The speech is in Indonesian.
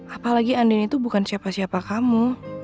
apalagi andini itu bukan siapa siapa kamu